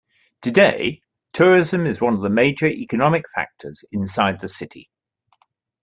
Today, tourism is one of the major economic factors inside the city.